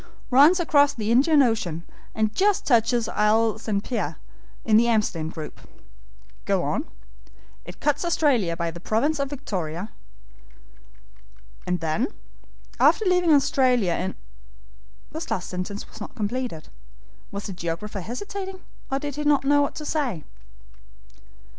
"Runs across the Indian Ocean, and just touches Isle St. Pierre, in the Amsterdam group." "Go on." "It cuts Australia by the province of Victoria." "And then." "After leaving Australia in " This last sentence was not completed. Was the geographer hesitating, or didn't he know what to say?